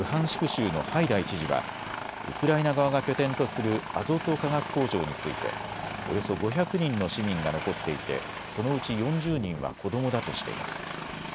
州のハイダイ知事はウクライナ側が拠点とするアゾト化学工場についておよそ５００人の市民が残っていてそのうち４０人は子どもだとしています。